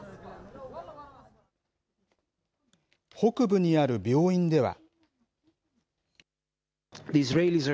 北部にある病院では。